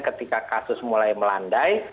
ketika kasus mulai melandai